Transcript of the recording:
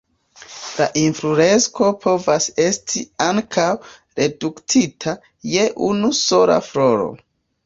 La infloresko povas esti ankaŭ reduktita je unu sola floro.